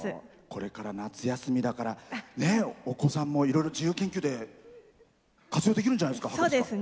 これから夏休みだからお子さんもいろいろ自由研究で活用できるんじゃないですか？